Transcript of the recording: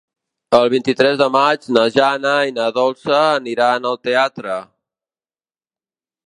El vint-i-tres de maig na Jana i na Dolça aniran al teatre.